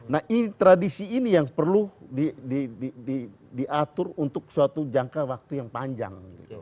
nah tradisi ini yang perlu diatur untuk suatu jangka waktu yang panjang